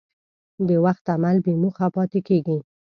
بېوخت عمل بېموخه پاتې کېږي.